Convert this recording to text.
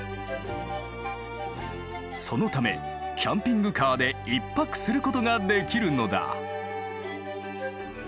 そのためキャンピングカーで１泊することができるのだ。